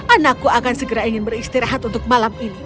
anakku akan segera ingin beristirahat untuk malam ini